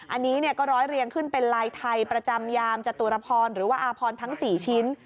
อันนี้ก็ร้อยเรียงขึ้นเป็นลายไทยประจำยามจตุรพรหรือว่าอาพรทั้ง๔ชิ้น